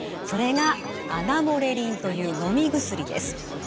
それがアナモレリンというのみ薬です。